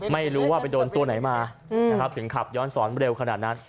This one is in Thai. ไม่รู้ว่าไปโดนตัวไหนมานะครับถึงขับย้อนสอนเร็วขนาดนั้น